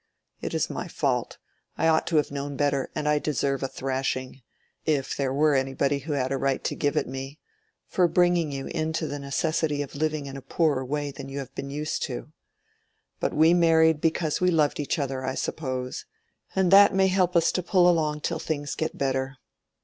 It is my fault: I ought to have known better, and I deserve a thrashing—if there were anybody who had a right to give it me—for bringing you into the necessity of living in a poorer way than you have been used to. But we married because we loved each other, I suppose. And that may help us to pull along till things get better.